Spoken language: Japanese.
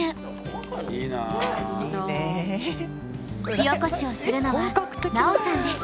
火おこしをするのは奈緒さんです。